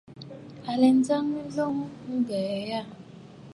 À lɛ njəŋnə nloŋ ŋgaa yàà.